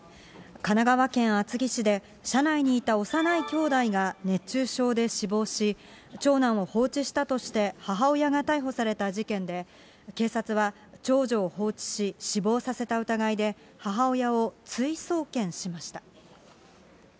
神奈川県厚木市で、車内にいた幼いきょうだいが熱中症で死亡し、長男を放置したとして母親が逮捕された事件で、警察は長女を放置し死亡させた疑いで、母親を追送検しました。